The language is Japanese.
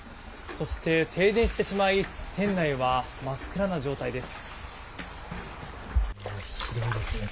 そして、停電してしまい店内は真っ暗な状態です。